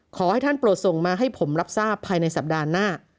ขอให้ท่านโปรดส่งมาให้ผมรับทราบภายในสัปดาห์หน้า